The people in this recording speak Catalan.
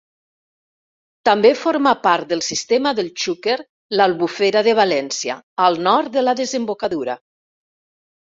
També forma part del sistema del Xúquer l'Albufera de València, al nord de la desembocadura.